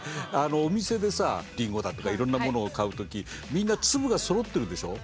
お店でさリンゴだとかいろんなものを買う時みんな粒がそろってるでしょ。